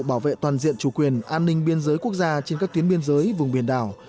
bảo vệ toàn diện chủ quyền an ninh biên giới quốc gia trên các tuyến biên giới vùng biển đảo